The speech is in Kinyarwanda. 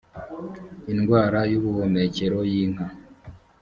indwara y’ubuhumekero y’inka